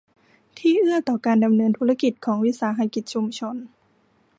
ที่เอื้อต่อการดำเนินธุรกิจของวิสาหกิจชุมชน